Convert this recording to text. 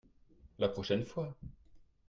La prochaine fois.